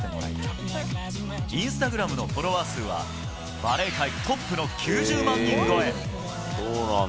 インスタグラムのフォロワー数はバレー界トップの９０万人超え。